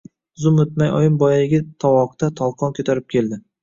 Zum o‘tmay oyim boyagi tovoqda tolqon ko‘tarib keldi.